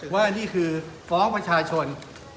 ว่านี่คือฟ้องประชาชน